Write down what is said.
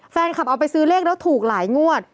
เอาไปซื้อเลขแล้วถูกหลายงวด